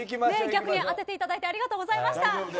逆に当てていただいてありがとうございました。